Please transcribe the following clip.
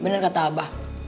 bener kata abah